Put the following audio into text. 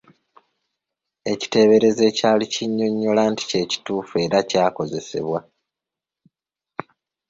Ekiteeberezo ekyali kinnyonnyola nti kye kituufu eraky'akozesebwa.